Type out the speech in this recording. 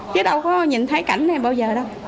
chứ đâu có nhìn thấy cảnh này bao giờ đâu